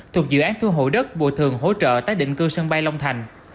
thuộc dự án thu hội đất bùa thường hỗ trợ tái định cư sân bay long thành